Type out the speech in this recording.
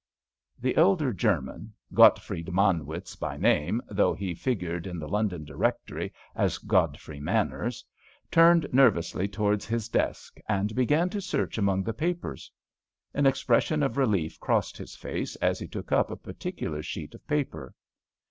The elder German—Gottfried Manwitz by name, though he figured in the London directory as Godfrey Manners—turned nervously towards his desk and began to search among the papers. An expression of relief crossed his face as he took up a particular sheet of paper.